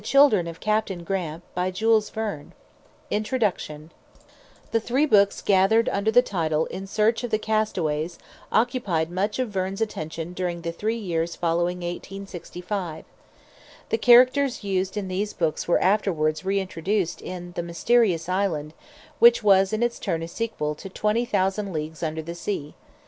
305 [page intentionally blank] INTRODUCTION TO VOLUME FOUR THE three books gathered under the title "In Search of the Castaways" occupied much of Verne's attention during the three years following 1865. The characters used in these books were afterwards reintroduced in "The Mysterious Island," which was in its turn a sequel to "Twenty Thousand Leagues Under the Sea."